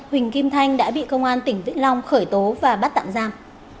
huỳnh kim thanh đã bị công an tỉnh vĩnh long khởi tố và bắt tạm giam